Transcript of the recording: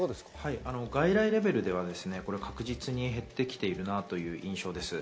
外来レベルでは確実に減ってきてるなという印象です。